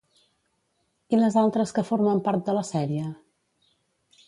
I les altres que formen part de la sèrie?